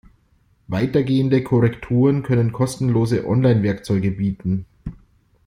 Weitergehende Korrekturen können kostenlose Online-Werkzeuge bieten.